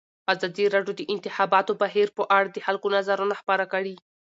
ازادي راډیو د د انتخاباتو بهیر په اړه د خلکو نظرونه خپاره کړي.